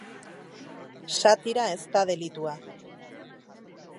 Satira ez da delitua.